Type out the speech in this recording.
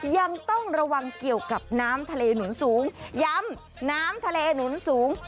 ยังต้องระวังเกี่ยวกับน้ำทะเลหนุนสูงย้ำน้ำทะเลหนุนสูง